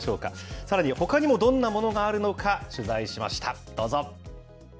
さらにほかにもどんなものがあるのか、取材しました。